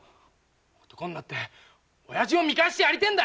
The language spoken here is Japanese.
男になっておやじを見返してやりてぇんだ